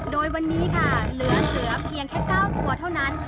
โดยวันนี้ค่ะเหลือเสือเพียงแค่๙ตัวเท่านั้น